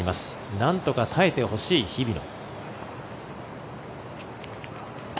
なんとか耐えてほしい日比野。